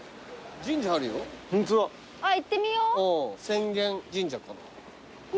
浅間神社かな。